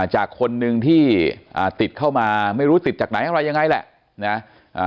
จากคนนึงที่ติดเข้ามาไม่รู้ติดจากไหนอะไรยังไงแหละนะ